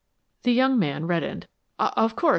The young man reddened. "Of course.